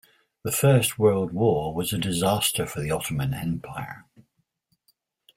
The First World War was a disaster for the Ottoman Empire.